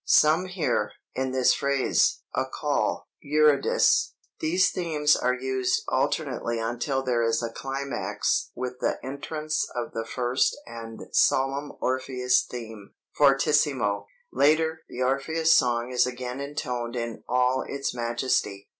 Some hear, in this phrase, a call, 'Eurydice!' These themes are used alternately until there is a climax with the entrance of the first and solemn Orpheus theme, fortissimo. [Later] the Orpheus song is again intoned in all its majesty.